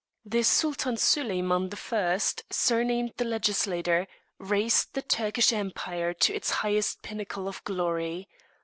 A.D. 1555. The Sultan Soliman the First, surnamed the Legislator, raised the Turkish Empire to its highest pinnacle of glory.